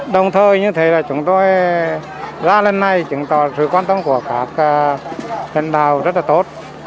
đồng thời như thế là chúng tôi ra lần này chứng tỏ sự quan tâm của các huyện đảo rất là tốt